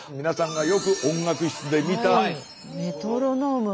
皆さんがよく音楽室で見た。